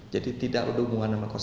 jadi tidak ada hubungan sama karyawan